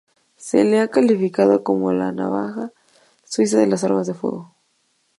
Se le ha calificado como la navaja suiza de las armas de fuego.